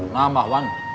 nah mbah wan